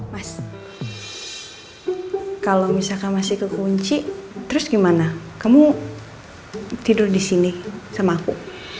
mas kalo misalkan masih ke kunci terus gimana kamu tidur disini sama aku